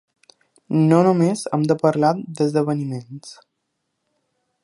No només hem de parlar d’esdeveniments.